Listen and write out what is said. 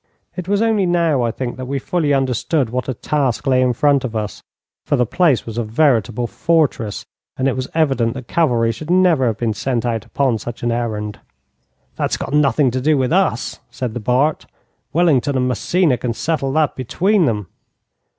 It was only now, I think, that we fully understood what a task lay in front of us, for the place was a veritable fortress, and it was evident that cavalry should never have been sent out upon such an errand. 'That's got nothing to do with us,' said the Bart; Wellington and Massena can settle that between them.'